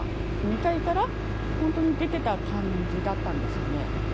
２階から本当に出てた感じだったんですよね。